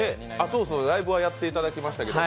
そうそう、ライブはやっていただきましたけど。